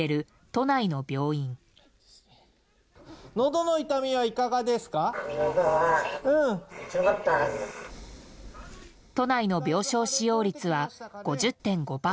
都内の病床使用率は５０．５％。